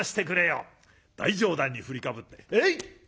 大上段に振りかぶって「えいっ！」。